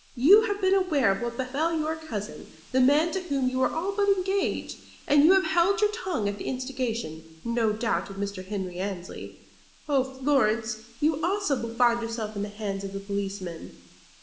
You have been aware of what befell your cousin, the man to whom you were all but engaged. And you have held your tongue at the instigation, no doubt, of Mr. Henry Annesley. Oh, Florence, you also will find yourself in the hands of the policeman!"